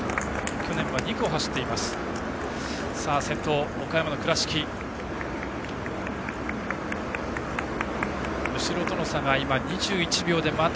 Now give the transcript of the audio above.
去年は２区を走っていました。